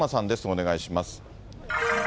お願いします。